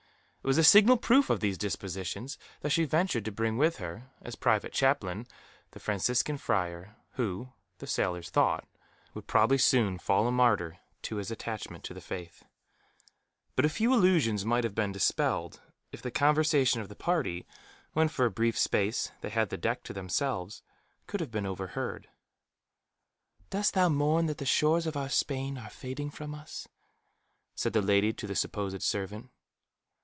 It was a signal proof of these dispositions that she ventured to bring with her, as private chaplain, the Franciscan friar, who, the sailors thought, would probably soon fall a martyr to his attachment to the Faith. But a few illusions might have been dispelled, if the conversation of the party, when for a brief space they had the deck to themselves, could have been overheard. "Dost thou mourn that the shores of our Spain are fading from us?" said the lady to the supposed servant.